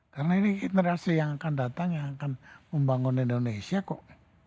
karena ini generasi yang akan datang yang akan membangun indonesia kok